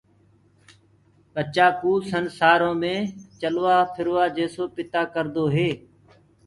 ٻچآ ڪو سنسآرو مي چلوآ ڦروآ جيسو پتآ ڪردوئي